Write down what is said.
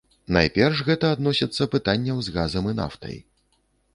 Найперш гэта адносіцца пытанняў з газам і нафтай.